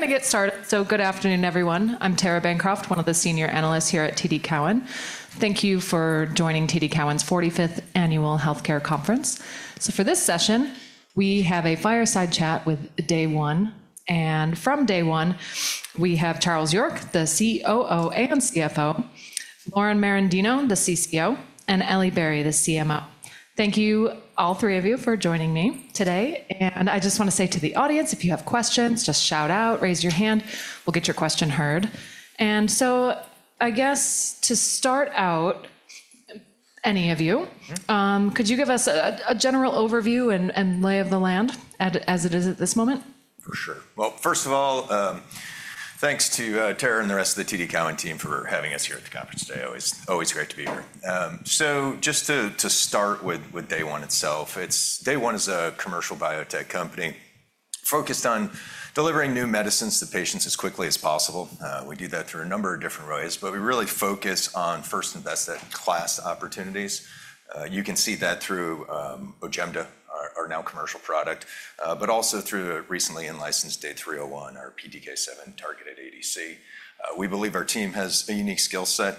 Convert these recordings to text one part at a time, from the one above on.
To get started. Good afternoon, everyone. I'm Tara Bancroft, one of the senior analysts here at TD Cowen. Thank you for joining TD Cowen's 45th Annual Healthcare Conference. For this session, we have a fireside chat with Day One. From Day One, we have Charles York, the COO and CFO, Lauren Merendino, the CCO, and Elly Barry, the CMO. Thank you, all three of you, for joining me today. I just want to say to the audience, if you have questions, just shout out, raise your hand, we'll get your question heard. I guess to start out, any of you, could you give us a general overview and lay of the land as it is at this moment? For sure. First of all, thanks to Tara and the rest of the TD Cowen team for having us here at the conference today. Always, always great to be here. Just to start with Day One itself, Day One is a commercial biotech company focused on delivering new medicines to patients as quickly as possible. We do that through a number of different ways, but we really focus on first-in-class opportunities. You can see that through OJEMDA, our now commercial product, but also through the recently licensed DAY301, our PTK7 targeted ADC. We believe our team has a unique skill set,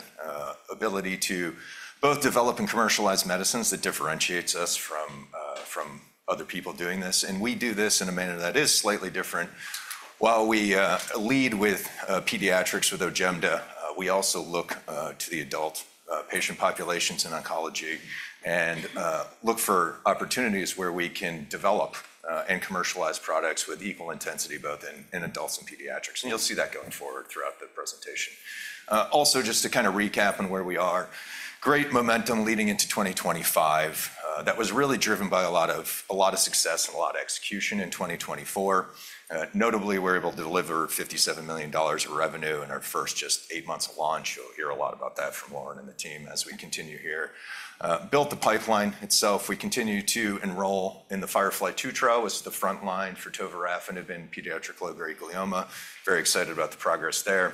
ability to both develop and commercialize medicines that differentiates us from other people doing this. We do this in a manner that is slightly different. While we lead with pediatrics with OJEMDA, we also look to the adult patient populations in oncology and look for opportunities where we can develop and commercialize products with equal intensity both in adults and pediatrics. You will see that going forward throughout the presentation. Also, just to kind of recap on where we are, great momentum leading into 2025 that was really driven by a lot of success and a lot of execution in 2024. Notably, we are able to deliver $57 million of revenue in our first just eight months of launch. You will hear a lot about that from Lauren and the team as we continue here. Built the pipeline itself. We continue to enroll in the FIREFLY-2 trial with the front line for tovorafenib, pediatric low-grade glioma. Very excited about the progress there.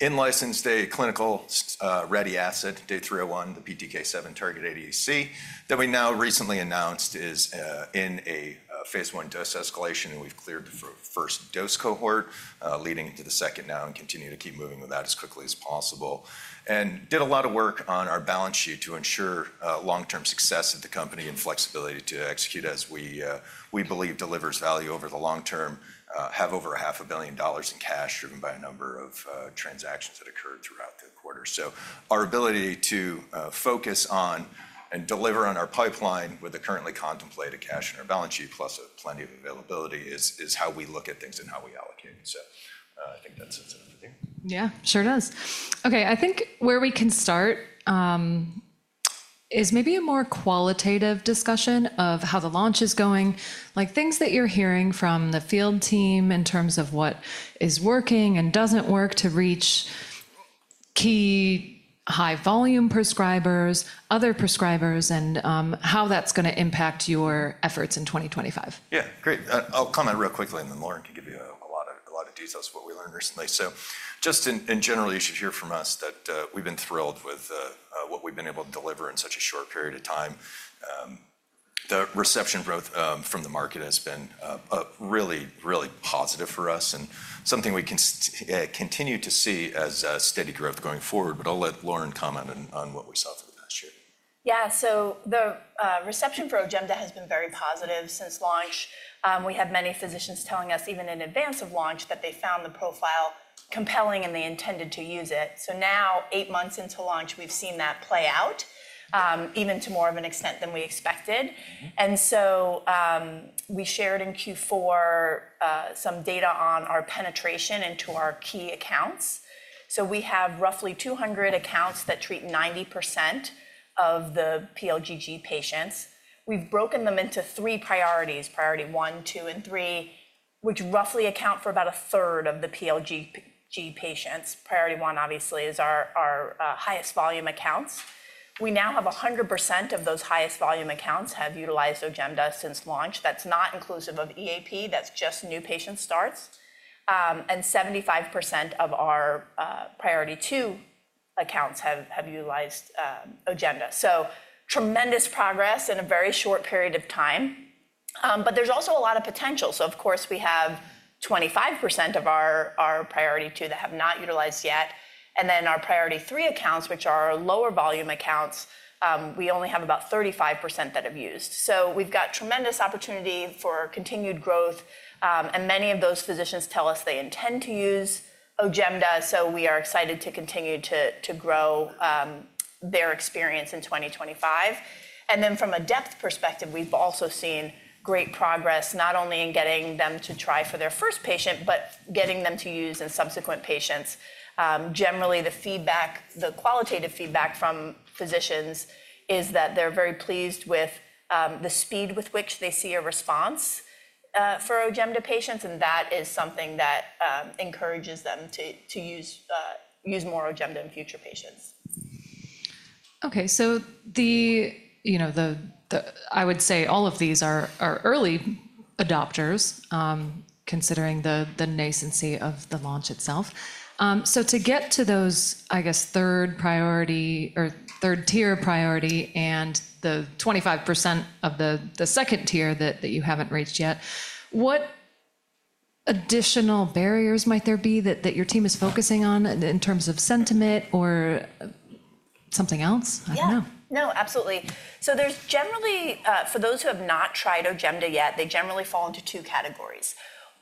In-license, day clinical-ready asset, DAY301, the PTK7-targeted ADC that we now recently announced is in a phase one dose escalation. We've cleared the first dose cohort leading into the second now and continue to keep moving with that as quickly as possible. Did a lot of work on our balance sheet to ensure long-term success of the company and flexibility to execute as we believe delivers value over the long term. Have over $500 million in cash driven by a number of transactions that occurred throughout the quarter. Our ability to focus on and deliver on our pipeline with the currently contemplated cash in our balance sheet, plus plenty of availability, is how we look at things and how we allocate it. I think that sits in the video. Yeah, sure does. Okay, I think where we can start is maybe a more qualitative discussion of how the launch is going. Like things that you're hearing from the field team in terms of what is working and doesn't work to reach key high-volume prescribers, other prescribers, and how that's going to impact your efforts in 2025. Yeah, great. I'll comment real quickly on that, and Lauren can give you a lot of details of what we learned recently. Just in general, you should hear from us that we've been thrilled with what we've been able to deliver in such a short period of time. The reception and growth from the market has been really, really positive for us and something we can continue to see as steady growth going forward. I'll let Lauren comment on what we saw for the past year. Yeah, so the reception for OJEMDA has been very positive since launch. We had many physicians telling us even in advance of launch that they found the profile compelling and they intended to use it. Now, eight months into launch, we've seen that play out even to more of an extent than we expected. We shared in Q4 some data on our penetration into our key accounts. We have roughly 200 accounts that treat 90% of the pLGG patients. We've broken them into three priorities: priority one, two, and three, which roughly account for about a third of the pLGG patients. Priority one, obviously, is our highest volume accounts. We now have 100% of those highest volume accounts have utilized OJEMDA since launch. That's not inclusive of EAP. That's just new patient starts. 75% of our priority two accounts have utilized OJEMDA. Tremendous progress in a very short period of time. There is also a lot of potential. We have 25% of our priority two that have not utilized yet. Our priority three accounts, which are our lower volume accounts, we only have about 35% that have used. We have tremendous opportunity for continued growth. Many of those physicians tell us they intend to use OJEMDA. We are excited to continue to grow their experience in 2025. From a depth perspective, we have also seen great progress not only in getting them to try for their first patient, but getting them to use in subsequent patients. Generally, the qualitative feedback from physicians is that they are very pleased with the speed with which they see a response for OJEMDA patients. That is something that encourages them to use more OJEMDA in future patients. Okay, the, you know, I would say all of these are early adopters considering the nascency of the launch itself. To get to those, I guess, third priority or third tier priority and the 25% of the second tier that you haven't reached yet, what additional barriers might there be that your team is focusing on in terms of sentiment or something else? I don't know. Yeah, no, absolutely. There is generally, for those who have not tried OJEMDA yet, they generally fall into two categories.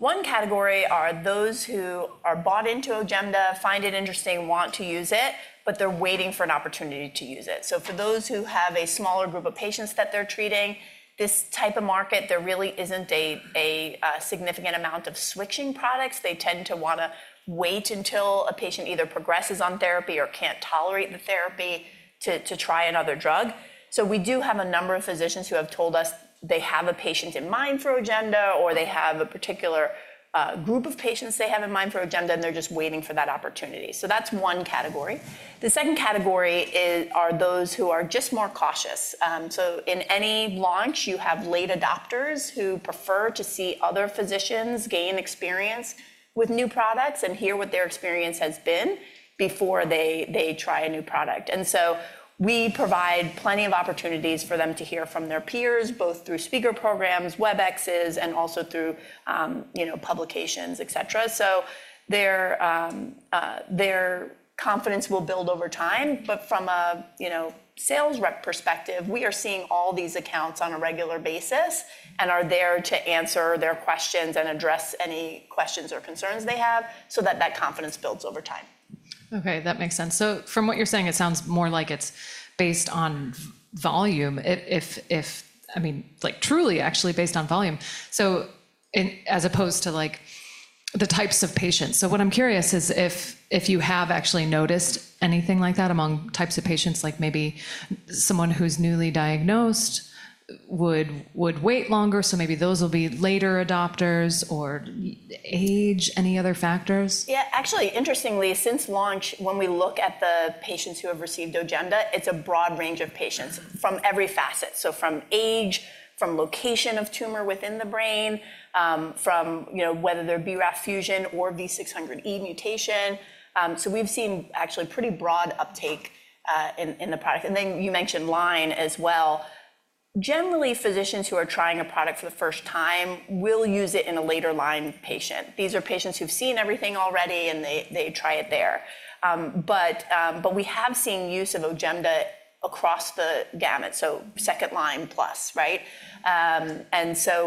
One category are those who are bought into OJEMDA, find it interesting, want to use it, but they are waiting for an opportunity to use it. For those who have a smaller group of patients that they are treating, this type of market, there really is not a significant amount of switching products. They tend to want to wait until a patient either progresses on therapy or cannot tolerate the therapy to try another drug. We do have a number of physicians who have told us they have a patient in mind for OJEMDA or they have a particular group of patients they have in mind for OJEMDA and they are just waiting for that opportunity. That is one category. The second category are those who are just more cautious. In any launch, you have late adopters who prefer to see other physicians gain experience with new products and hear what their experience has been before they try a new product. We provide plenty of opportunities for them to hear from their peers, both through speaker programs, eb access, and also through publications, et cetera. Their confidence will build over time. From a sales rep perspective, we are seeing all these accounts on a regular basis and are there to answer their questions and address any questions or concerns they have so that that confidence builds over time. Okay, that makes sense. From what you're saying, it sounds more like it's based on volume. I mean, like truly actually based on volume, as opposed to like the types of patients. What I'm curious is if you have actually noticed anything like that among types of patients, like maybe someone who's newly diagnosed would wait longer. Maybe those will be later adopters or age, any other factors? Yeah, actually, interestingly, since launch, when we look at the patients who have received OJEMDA, it's a broad range of patients from every facet. From age, from location of tumor within the brain, from, you know, whether they're BRAF fusion or V600E mutation. We've seen actually pretty broad uptake in the product. You mentioned line as well. Generally, physicians who are trying a product for the first time will use it in a later line patient. These are patients who've seen everything already and they try it there. We have seen use of OJEMDA across the gamut. Second line plus, right?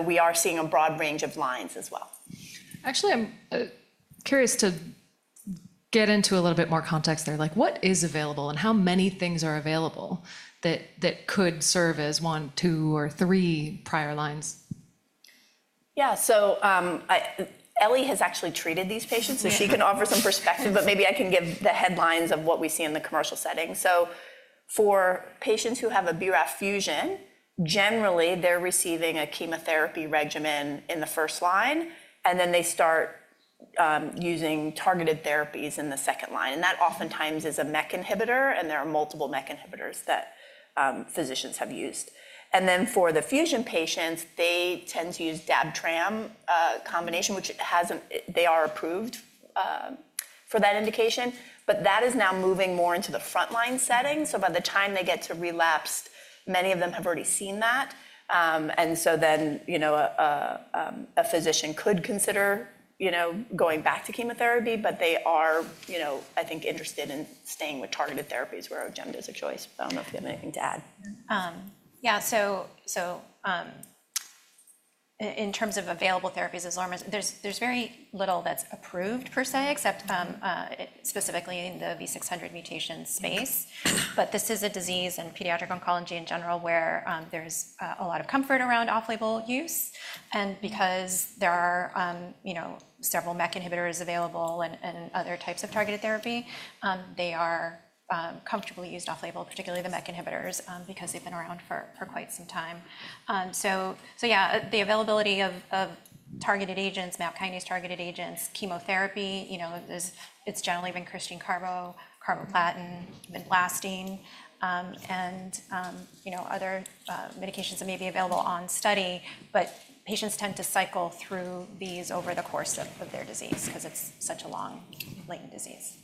We are seeing a broad range of lines as well. Actually, I'm curious to get into a little bit more context there. Like what is available and how many things are available that could serve as one, two, or three prior lines? Yeah, so Elly has actually treated these patients, so she can offer some perspective, but maybe I can give the headlines of what we see in the commercial setting. For patients who have a BRAF fusion, generally they're receiving a chemotherapy regimen in the first line, and then they start using targeted therapies in the second line. That often times is a MEK inhibitor, and there are multiple MEK inhibitors that physicians have used. For the fusion patients, they tend to use dab-tram combination, which they are approved for that indication, but that is now moving more into the front line setting. By the time they get to relapse, many of them have already seen that. You know, a physician could consider, you know, going back to chemotherapy, but they are, you know, I think interested in staying with targeted therapies where OJEMDA is a choice. I do not know if you have anything to add. Yeah, so in terms of available therapies, as Lauren was, there's very little that's approved per se, except specifically in the V600 mutation space. This is a disease in pediatric oncology in general where there's a lot of comfort around off-label use. Because there are, you know, several MEK inhibitors available and other types of targeted therapy, they are comfortably used off-label, particularly the MEK inhibitors, because they've been around for quite some time. Yeah, the availability of targeted agents, now kinase targeted agents, chemotherapy, you know, it's generally been carboplatin, vinblastine, and, you know, other medications that may be available on study, but patients tend to cycle through these over the course of their disease because it's such a long, latent disease.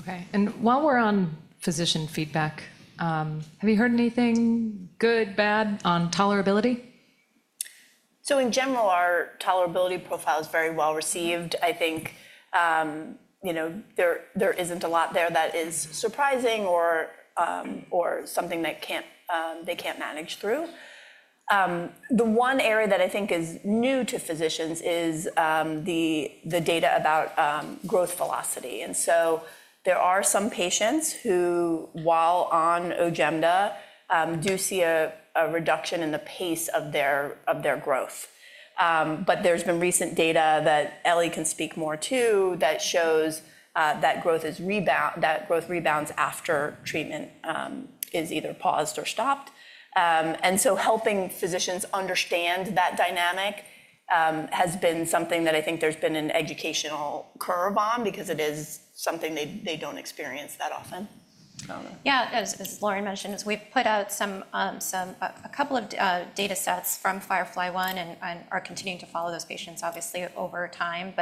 Okay. While we're on physician feedback, have you heard anything good, bad on tolerability? In general, our tolerability profile is very well received. I think, you know, there isn't a lot there that is surprising or something that they can't manage through. The one area that I think is new to physicians is the data about growth velocity. There are some patients who, while on OJEMDA, do see a reduction in the pace of their growth. There has been recent data that Elly can speak more to that shows that growth rebounds after treatment is either paused or stopped. Helping physicians understand that dynamic has been something that I think there's been an educational curveball because it is something they don't experience that often. Yeah, as Lauren mentioned, we've put out a couple of data sets from FIREFLY-1 and are continuing to follow those patients, obviously, over time.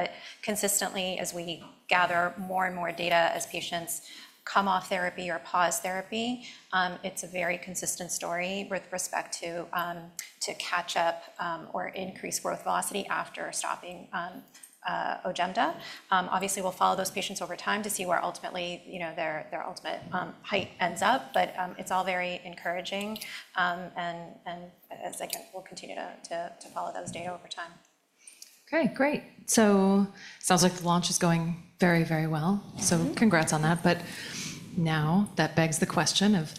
Consistently, as we gather more and more data as patients come off therapy or pause therapy, it's a very consistent story with respect to catch-up or increased growth velocity after stopping OJEMDA. Obviously, we'll follow those patients over time to see where, ultimately, you know, their ultimate height ends up. It's all very encouraging. I think we'll continue to follow those data over time. Okay, great. Sounds like the launch is going very, very well. Congrats on that. Now that begs the question of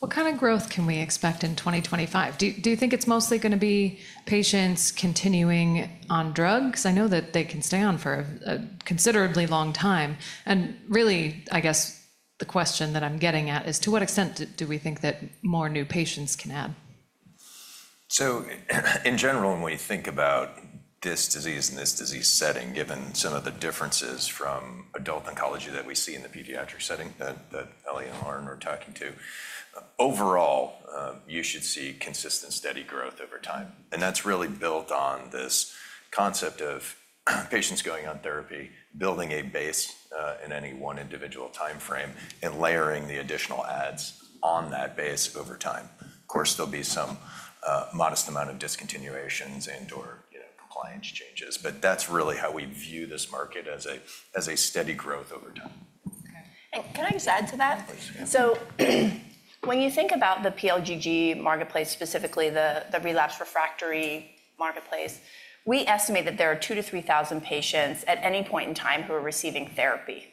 what kind of growth can we expect in 2025? Do you think it's mostly going to be patients continuing on drugs? Because I know that they can stay on for a considerably long time. I guess the question that I'm getting at is to what extent do we think that more new patients can add? In general, when we think about this disease in this disease setting, given some of the differences from adult oncology that we see in the pediatric setting that Elly and Lauren were talking to, overall, you should see consistent, steady growth over time. That's really built on this concept of patients going on therapy, building a base in any one individual timeframe, and layering the additional adds on that base over time. Of course, there'll be some modest amount of discontinuations and/or compliance changes, but that's really how we view this market as a steady growth over time. Can I just add to that? When you think about the pLGG marketplace, specifically the relapse refractory marketplace, we estimate that there are 2,000-3,000 patients at any point in time who are receiving therapy.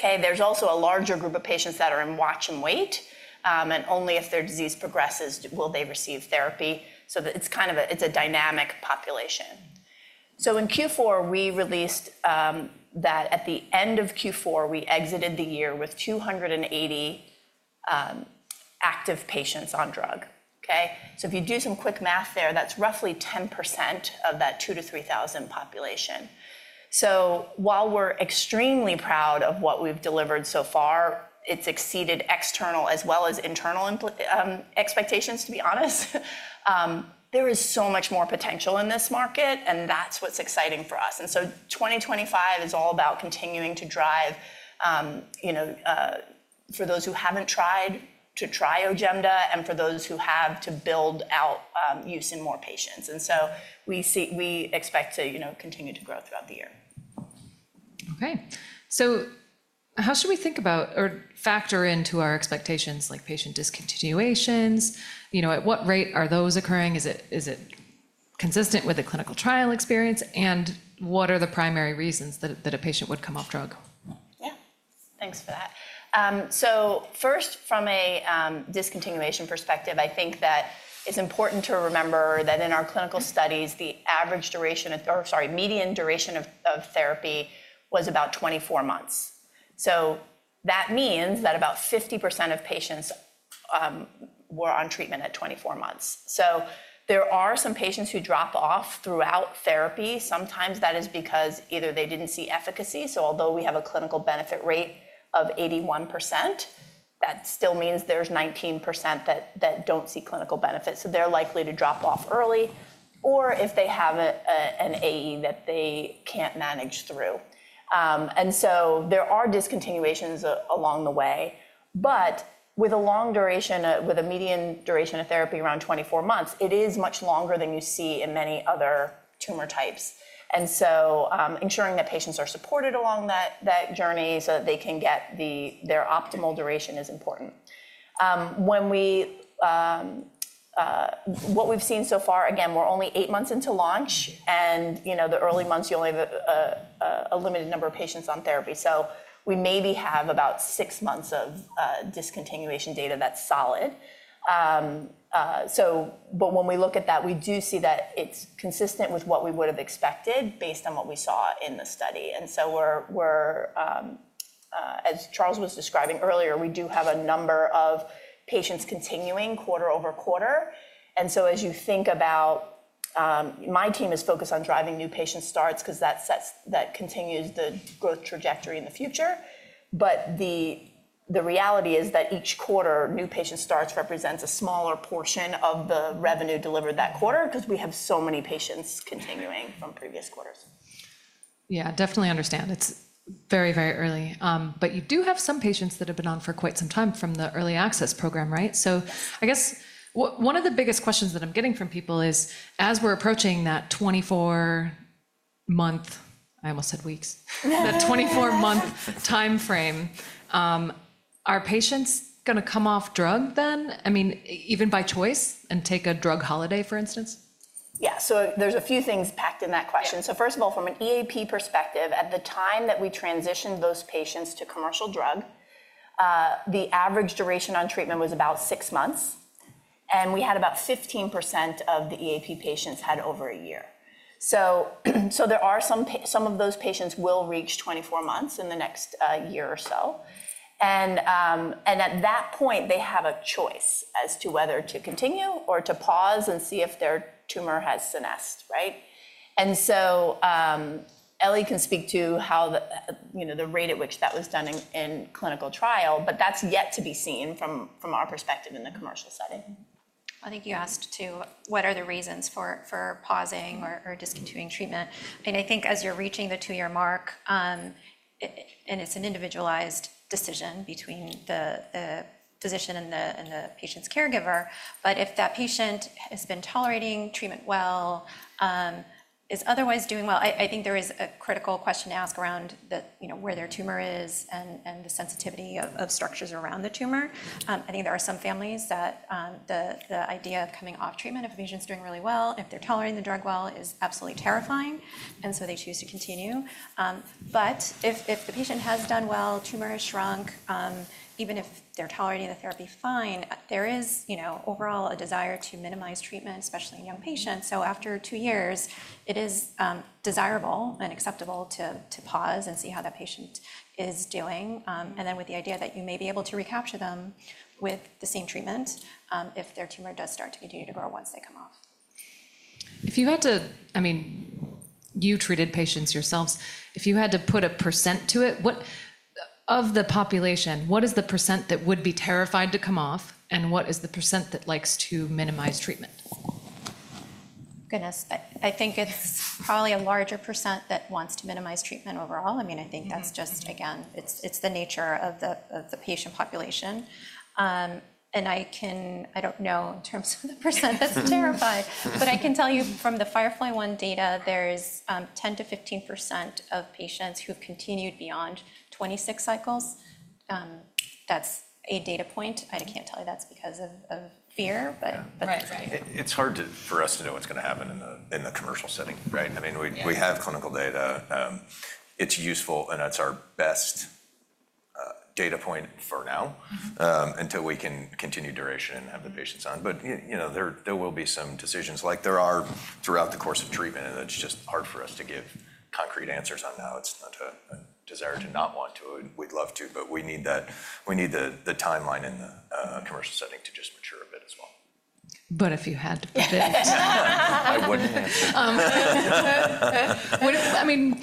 There is also a larger group of patients that are in watch and wait, and only if their disease progresses will they receive therapy. It is kind of a dynamic population. In Q4, we released that at the end of Q4, we exited the year with 280 active patients on drug. If you do some quick math there, that is roughly 10% of that 2,000-3,000 population. While we are extremely proud of what we have delivered so far, it has exceeded external as well as internal expectations, to be honest. There is so much more potential in this market, and that is what is exciting for us. 2025 is all about continuing to drive, you know, for those who haven't tried to try OJEMDA and for those who have to build out use in more patients. We expect to continue to grow throughout the year. Okay, so how should we think about or factor into our expectations like patient discontinuations? You know, at what rate are those occurring? Is it consistent with a clinical trial experience? What are the primary reasons that a patient would come off drug? Thanks for that. First, from a discontinuation perspective, I think that it's important to remember that in our clinical studies, the average duration of, or sorry, median duration of therapy was about 24 months. That means that about 50% of patients were on treatment at 24 months. There are some patients who drop off throughout therapy. Sometimes that is because either they didn't see efficacy. Although we have a clinical benefit rate of 81%, that still means there's 19% that don't see clinical benefit. They're likely to drop off early or if they have an AE that they can't manage through. There are discontinuations along the way, but with a long duration, with a median duration of therapy around 24 months, it is much longer than you see in many other tumor types. Ensuring that patients are supported along that journey so that they can get their optimal duration is important. What we've seen so far, again, we're only eight months into launch, and you know, the early months, you only have a limited number of patients on therapy. We maybe have about six months of discontinuation data that's solid. When we look at that, we do see that it's consistent with what we would have expected based on what we saw in the study. As Charles was describing earlier, we do have a number of patients continuing quarter over quarter. As you think about it, my team is focused on driving new patient starts because that continues the growth trajectory in the future. The reality is that each quarter, new patient starts represents a smaller portion of the revenue delivered that quarter because we have so many patients continuing from previous quarters. Yeah, definitely understand. It's very, very early. You do have some patients that have been on for quite some time from the early access program, right? I guess one of the biggest questions that I'm getting from people is, as we're approaching that 24-month, I almost said weeks, that 24-month timeframe, are patients going to come off drug then? I mean, even by choice and take a drug holiday, for instance? Yeah, so there's a few things packed in that question. First of all, from an EAP perspective, at the time that we transitioned those patients to commercial drug, the average duration on treatment was about six months. We had about 15% of the EAP patients had over a year. Some of those patients will reach 24 months in the next year or so. At that point, they have a choice as to whether to continue or to pause and see if their tumor has senesced, right? Elly can speak to how the rate at which that was done in clinical trial, but that's yet to be seen from our perspective in the commercial setting. I think you asked too, what are the reasons for pausing or discontinuing treatment? I think as you're reaching the two-year mark, and it's an individualized decision between the physician and the patient's caregiver, but if that patient has been tolerating treatment well, is otherwise doing well, I think there is a critical question to ask around where their tumor is and the sensitivity of structures around the tumor. I think there are some families that the idea of coming off treatment if a patient's doing really well, if they're tolerating the drug well, is absolutely terrifying. They choose to continue. If the patient has done well, tumor has shrunk, even if they're tolerating the therapy fine, there is overall a desire to minimize treatment, especially in young patients. After two years, it is desirable and acceptable to pause and see how that patient is doing. Then with the idea that you may be able to recapture them with the same treatment if their tumor does start to continue to grow once they come off. If you had to, I mean, you treated patients yourselves, if you had to put a percent to it, what of the population, what is the percent that would be terrified to come off and what is the percent that likes to minimize treatment? Goodness, I think it's probably a larger percent that wants to minimize treatment overall. I mean, I think that's just, again, it's the nature of the patient population. I can, I don't know in terms of the percent that's terrified, but I can tell you from the FIREFLY-1 data, there's 10%-15% of patients who've continued beyond 26 cycles. That's a data point. I can't tell you that's because of fear, but. It's hard for us to know what's going to happen in the commercial setting, right? I mean, we have clinical data. It's useful and it's our best data point for now until we can continue duration and have the patients on. You know, there will be some decisions like there are throughout the course of treatment and it's just hard for us to give concrete answers on now. It's not a desire to not want to. We'd love to, but we need the timeline in the commercial setting to just mature a bit as well. If you had to predict. I would. I mean,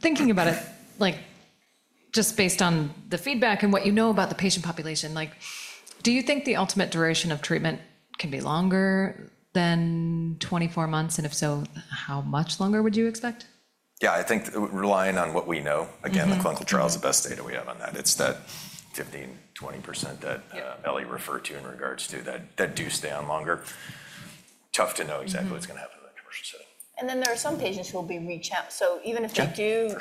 thinking about it, like just based on the feedback and what you know about the patient population, like do you think the ultimate duration of treatment can be longer than 24 months? If so, how much longer would you expect? Yeah, I think relying on what we know, again, the clinical trial is the best data we have on that. It's that 15%-20% that Elly referred to in regards to that do stay on longer. Tough to know exactly what's going to happen in the commercial setting. There are some patients who will be reached out. Even if they do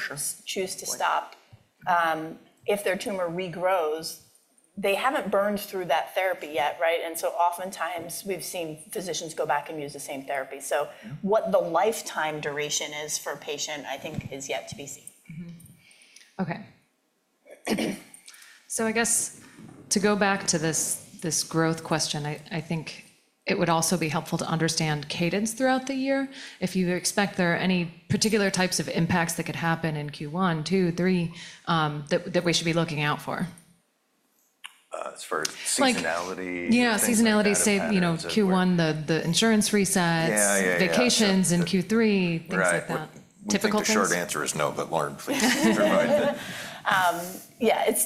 choose to stop, if their tumor regrows, they have not burned through that therapy yet, right? Oftentimes we have seen physicians go back and use the same therapy. What the lifetime duration is for a patient, I think, is yet to be seen. Okay. I guess to go back to this growth question, I think it would also be helpful to understand cadence throughout the year. If you expect there are any particular types of impacts that could happen in Q1, Q2, Q3 that we should be looking out for. As far as seasonality? Yeah, seasonality, Q1, the insurance resets, vacations in Q3, things like that. The short answer is no, but Lauren, please remind me. Yeah, it's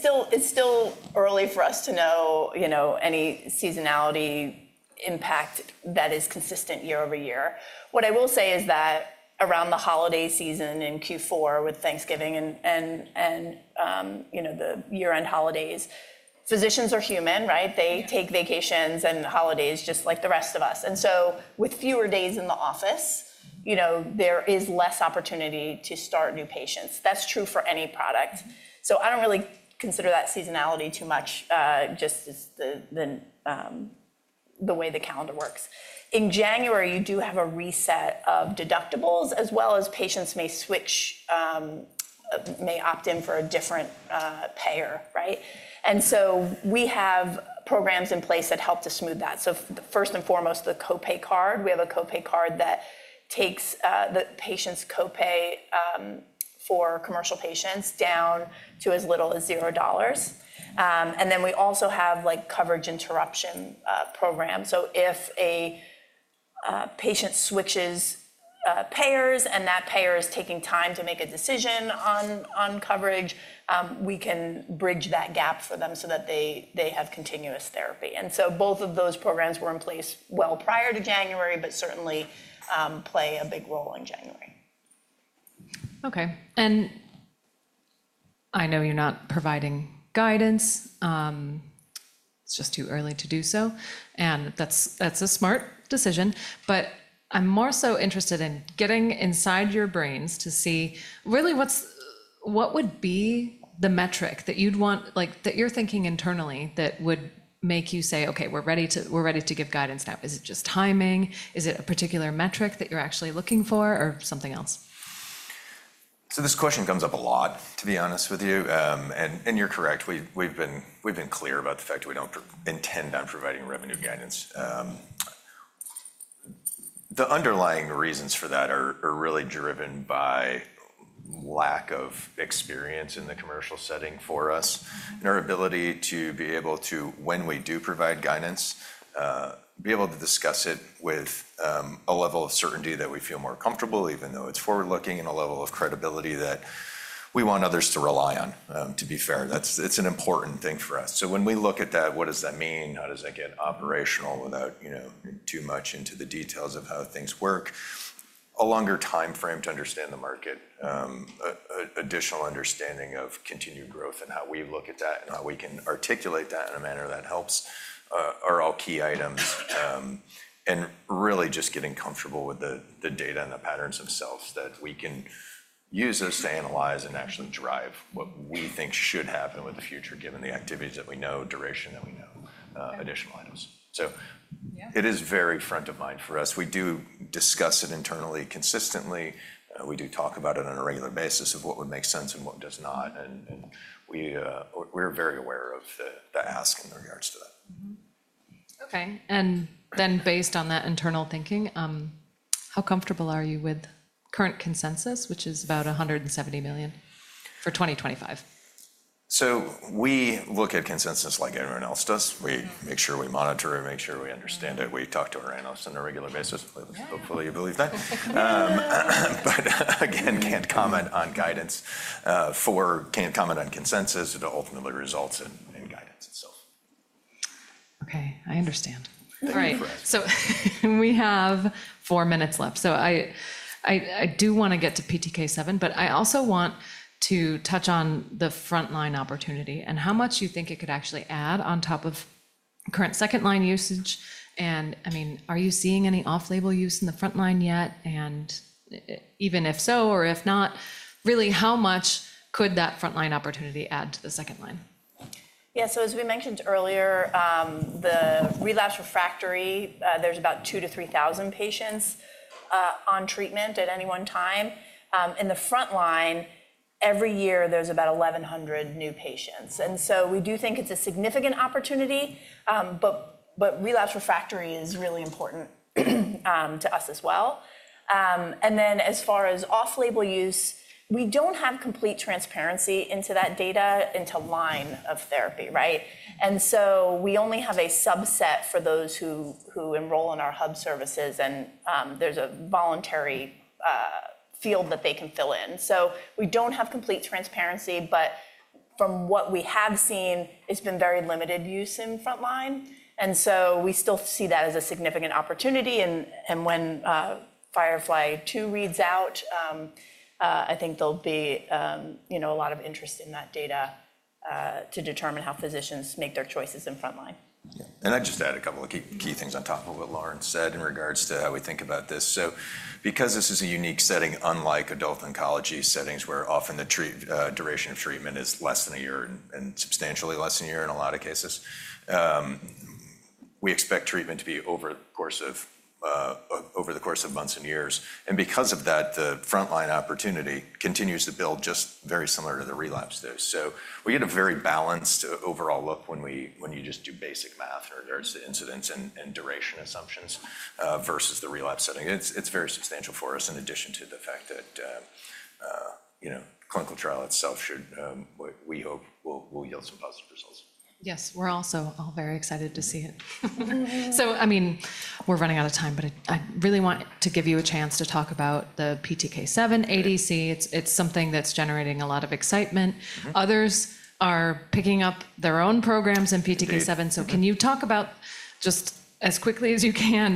still early for us to know, you know, any seasonality impact that is consistent year over year. What I will say is that around the holiday season in Q4 with Thanksgiving and the year-end holidays, physicians are human, right? They take vacations and holidays just like the rest of us. With fewer days in the office, you know, there is less opportunity to start new patients. That's true for any product. I don't really consider that seasonality too much, just the way the calendar works. In January, you do have a reset of deductibles as well as patients may switch, may opt in for a different payer, right? We have programs in place that help to smooth that. First and foremost, the copay card, we have a copay card that takes the patient's copay for commercial patients down to as little as $0. We also have like coverage interruption programs. If a patient switches payers and that payer is taking time to make a decision on coverage, we can bridge that gap for them so that they have continuous therapy. Both of those programs were in place well prior to January, but certainly play a big role in January. Okay. I know you're not providing guidance. It's just too early to do so. That's a smart decision. I'm more so interested in getting inside your brains to see really what would be the metric that you'd want, like that you're thinking internally that would make you say, okay, we're ready to give guidance now. Is it just timing? Is it a particular metric that you're actually looking for or something else? This question comes up a lot, to be honest with you. You're correct. We've been clear about the fact that we don't intend on providing revenue guidance. The underlying reasons for that are really driven by lack of experience in the commercial setting for us and our ability to be able to, when we do provide guidance, be able to discuss it with a level of certainty that we feel more comfortable, even though it's forward-looking and a level of credibility that we want others to rely on, to be fair. That's an important thing for us. When we look at that, what does that mean? How does that get operational without, you know, too much into the details of how things work? A longer timeframe to understand the market, additional understanding of continued growth and how we look at that and how we can articulate that in a manner that helps are all key items. Really just getting comfortable with the data and the patterns themselves that we can use us to analyze and actually drive what we think should happen with the future, given the activities that we know, duration that we know, additional items. It is very front of mind for us. We do discuss it internally consistently. We do talk about it on a regular basis of what would make sense and what does not. We are very aware of the ask in regards to that. Okay. Based on that internal thinking, how comfortable are you with current consensus, which is about $170 million for 2025? We look at consensus like everyone else does. We make sure we monitor it, make sure we understand it. We talk to our analysts on a regular basis. Hopefully, you believe that. Again, can't comment on guidance for, can't comment on consensus. Ultimately results in guidance itself. Okay. I understand. All right. We have four minutes left. I do want to get to PTK7, but I also want to touch on the frontline opportunity and how much you think it could actually add on top of current second-line usage. I mean, are you seeing any off-label use in the frontline yet? Even if so or if not, really how much could that frontline opportunity add to the second line? Yeah. As we mentioned earlier, the relapse refractory, there's about 2,000-3,000 patients on treatment at any one time. In the frontline, every year there's about 1,100 new patients. We do think it's a significant opportunity, but relapse refractory is really important to us as well. As far as off-label use, we don't have complete transparency into that data, into line of therapy, right? We only have a subset for those who enroll in our hub services and there's a voluntary field that they can fill in. We don't have complete transparency, but from what we have seen, it's been very limited use in frontline. We still see that as a significant opportunity. When FIREFLY-2 reads out, I think there'll be, you know, a lot of interest in that data to determine how physicians make their choices in frontline. I just add a couple of key things on top of what Lauren said in regards to how we think about this. Because this is a unique setting, unlike adult oncology settings where often the duration of treatment is less than a year and substantially less than a year in a lot of cases, we expect treatment to be over the course of months and years. Because of that, the frontline opportunity continues to build just very similar to the relapse there. We get a very balanced overall look when you just do basic math in regards to incidence and duration assumptions versus the relapse setting. It's very substantial for us in addition to the fact that, you know, clinical trial itself should, we hope, will yield some positive results. Yes. We're also all very excited to see it. I mean, we're running out of time, but I really want to give you a chance to talk about the PTK7 ADC. It's something that's generating a lot of excitement. Others are picking up their own programs in PTK7. Can you talk about just as quickly as you can,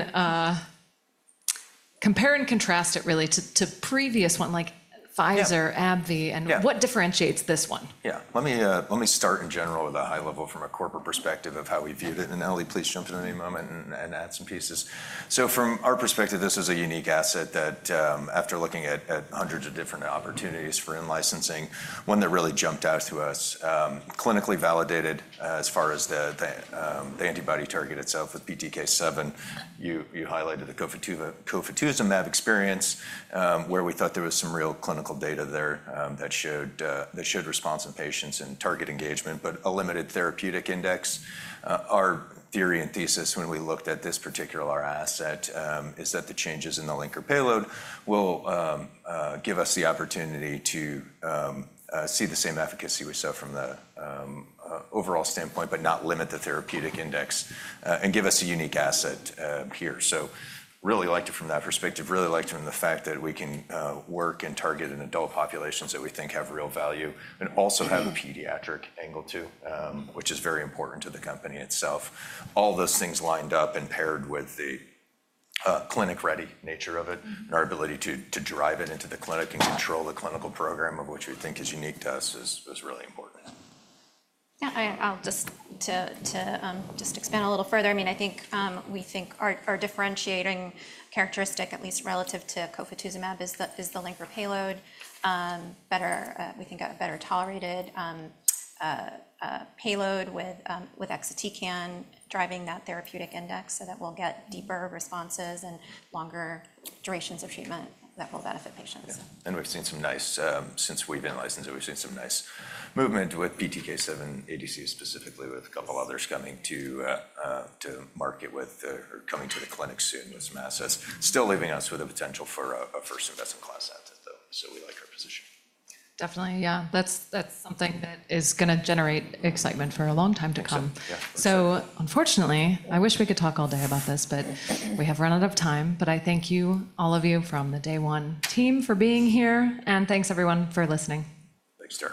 compare and contrast it really to previous one, like Pfizer, AbbVie, and what differentiates this one? Yeah. Let me start in general with a high level from a corporate perspective of how we viewed it. And Elly, please jump in at any moment and add some pieces. From our perspective, this is a unique asset that after looking at hundreds of different opportunities for in-licensing, one that really jumped out to us, clinically validated as far as the antibody target itself with PTK7, you highlighted the COVID-2, COVID-2 is a math experience where we thought there was some real clinical data there that showed response in patients and target engagement, but a limited therapeutic index. Our theory and thesis when we looked at this particular asset is that the changes in the linker payload will give us the opportunity to see the same efficacy we saw from the overall standpoint, but not limit the therapeutic index and give us a unique asset here. I really liked it from that perspective, really liked it from the fact that we can work and target in adult populations that we think have real value and also have a pediatric angle too, which is very important to the company itself. All those things lined up and paired with the clinic-ready nature of it and our ability to drive it into the clinic and control the clinical program, which we think is unique to us, was really important. Yeah. I'll just expand a little further. I mean, I think we think our differentiating characteristic, at least relative to COVID-2, is the linker payload, better, we think a better tolerated payload with exit can driving that therapeutic index so that we'll get deeper responses and longer durations of treatment that will benefit patients. We have seen some nice, since we have been licensed, we have seen some nice movement with PTK7 ADC specifically with a couple others coming to market with or coming to the clinic soon with some assets. Still leaving us with a potential for a first-in-class asset though. We like our position. Definitely. Yeah. That is something that is going to generate excitement for a long time to come. Unfortunately, I wish we could talk all day about this, but we have run out of time. I thank you, all of you from the Day One team for being here. Thanks everyone for listening. Thanks for.